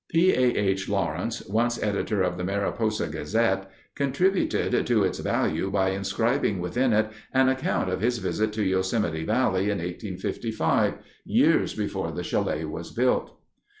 P. A. H. Laurence, once editor of the Mariposa Gazette, contributed to its value by inscribing within it an account of his visit to Yosemite Valley in 1855, years before the chalet was built.